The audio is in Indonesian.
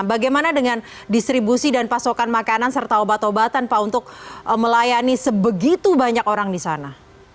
bagaimana dengan distribusi dan pasokan makanan serta obat obatan pak untuk melayani sebegitu banyak orang di sana